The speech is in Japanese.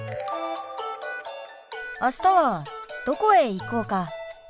あしたはどこへ行こうか？